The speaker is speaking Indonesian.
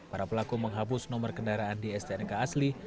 para pelaku menghapus nomor kendaraan di stnk asli